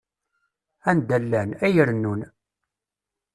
Anda llan, ay rennun.